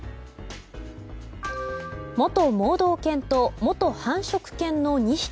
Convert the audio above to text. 元盲導犬と元繁殖犬の２匹。